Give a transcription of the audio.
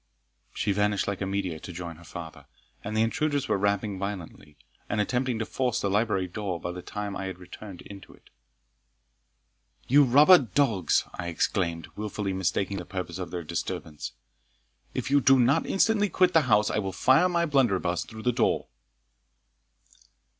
She vanished like a meteor to join her father, and the intruders were rapping violently, and attempting to force the library door by the time I had returned into it. "You robber dogs!" I exclaimed, wilfully mistaking the purpose of their disturbance, "if you do not instantly quit the house I will fire my blunderbuss through the door."